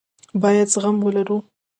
بايد زغم ولرو.